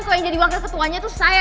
kalau yang jadi wakil ketuanya tuh saya